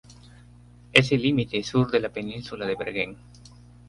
Es el límite sur de la península de Bergen.